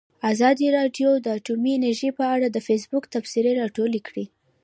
ازادي راډیو د اټومي انرژي په اړه د فیسبوک تبصرې راټولې کړي.